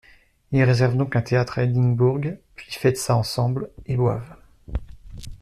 Ils réservent donc un théâtre à Édimbourg puis fêtent ça ensemble et boivent.